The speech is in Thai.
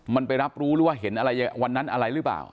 มันไปรับรู้ว่าเห็นวันนั้นอะไรหรือเปล่า